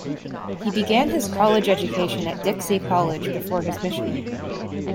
He began his college education at Dixie College before his mission.